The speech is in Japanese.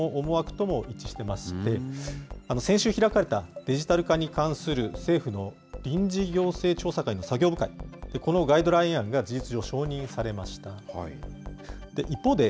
これ、マイナンバーカードを普及させたいという国の思惑とも一致してまして、先週開かれた、デジタル化に関する政府の臨時行政調査会の作業部会、このガイドライン案が事実上、承認されました。